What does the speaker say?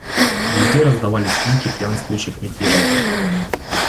Везде раздавались крики пьянствующих мятежников.